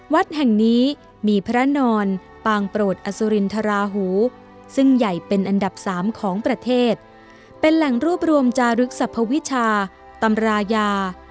วัดแห่งนี้มีพระนอนปางโปรดอสุรินทราหูซึ่งใหญ่เป็นอันดับสามของประเทศเป็นแหล่งรวบรวมจารึกสรรพวิชาตำรายา